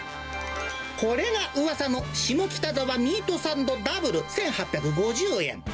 これがうわさの下北沢ミートサンド・ダブル１８５０円。